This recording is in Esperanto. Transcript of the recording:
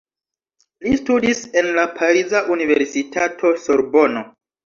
Li studis en la pariza universitato Sorbono.